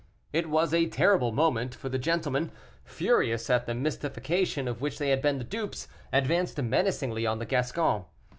It was a terrible moment, for the gentlemen, furious at the mystification of which they had been the dupes, advanced menacingly on the Gascon.